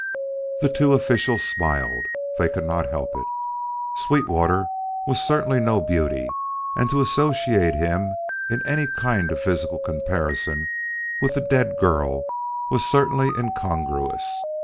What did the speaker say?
The two officials smiled; they could not help it. Sweetwater was certainly no beauty, and to associate him in any kind of physical comparison with the dead girl was certainly incongruous.